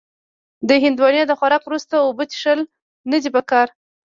د هندوانې د خوراک وروسته اوبه څښل نه دي پکار.